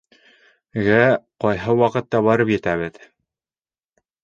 ... -гә ҡайһы ваҡытта барып етәбеҙ